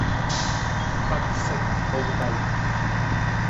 不識高低